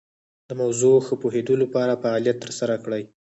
د موضوع ښه پوهیدو لپاره فعالیت تر سره کړئ.